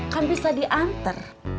kan bisa diantar